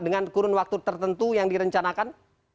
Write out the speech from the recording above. dengan kurun waktu tertentu yang direncanakan